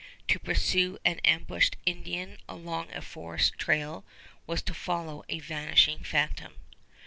To pursue an ambushed Indian along a forest trail was to follow a vanishing phantom.